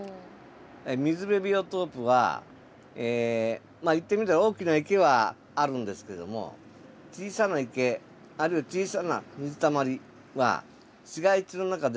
水辺ビオトープは言ってみれば大きな池はあるんですけども小さな池あるいは小さな水たまりはないよね？